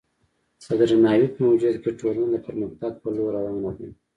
د درناوي په موجودیت کې ټولنه د پرمختګ په لور روانه ده.